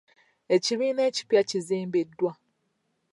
Ekibiina ekipya kizimbiddwa.